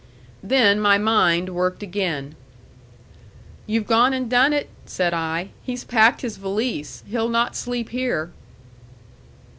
Then my mind worked again. "You've gone and done it," said I. "He's packed his valise. He'll not sleep here."